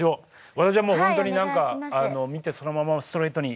私はもうほんとに何か見てそのままをストレートに。